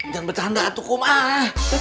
jangan bercanda tukum ah